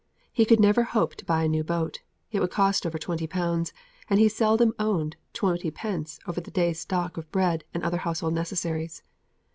He could never hope to buy a new boat. It would cost over twenty pounds, and he seldom owned twenty pence over the day's stock of bread and other household necessaries.